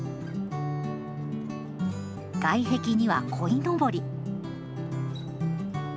外壁には、こいのぼり。